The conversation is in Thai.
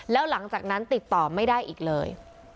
แล้วหลังจากนั้นติดต่อไม่ได้อีกเลย